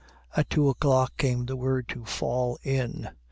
At two o'clock came the word to "fall in."